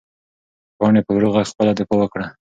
پاڼې په ورو غږ خپله دفاع وکړه.